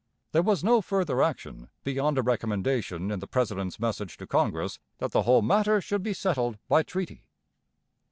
There was no further action, beyond a recommendation in the President's message to Congress that the whole matter should be settled by treaty.